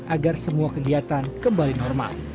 agar semua kegiatan kembali normal